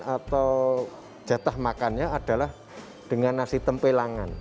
atau jatah makannya adalah dengan nasi tempelangan